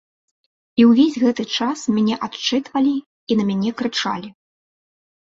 І ўвесь гэты час мяне адчытвалі і на мяне крычалі.